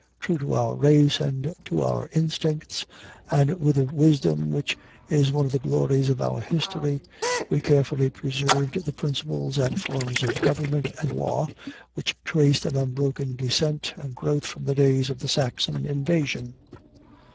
True to our race and to our instincts, and with a wisdom which is one of the glories of our history, we carefully preserved the principles and forms of government and law, which traced an unbroken descent and growth from the days of the Saxon invasion.